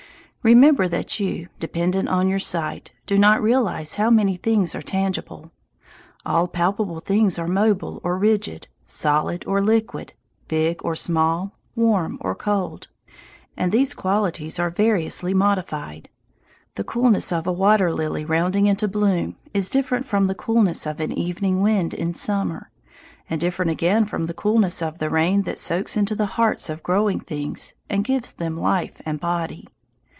Remember that you, dependent on your sight, do not realize how many things are tangible. All palpable things are mobile or rigid, solid or liquid, big or small, warm or cold, and these qualities are variously modified. The coolness of a water lily rounding into bloom is different from the coolness of an evening wind in summer, and different again from the coolness of the rain that soaks into the hearts of growing things and gives them life and body.